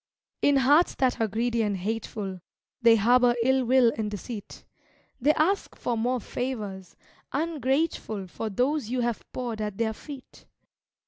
In hearts that are greedy and hateful, They harbor ill will and deceit; They ask for more favors, ungrateful For those you have poured at their feet.